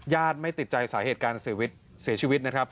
ไม่ติดใจสาเหตุการเสียชีวิตนะครับ